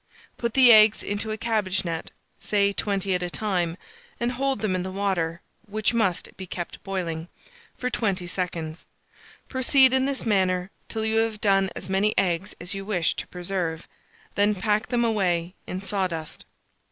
Put the eggs into a cabbage net, say 20 at a time, and hold them in the water (which must be kept boiling) for 20 seconds. Proceed in this manner till you have done as many eggs as you wish to preserve; then pack them away in sawdust.